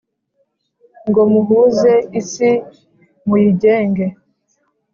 ngo muhuze isi muyigenge